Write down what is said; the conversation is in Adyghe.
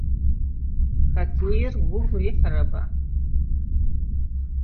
Хоккеир угу рихьырэба?